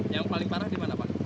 yang paling parah di mana pak